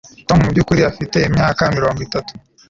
Tom mubyukuri afite imyaka mirongo itatu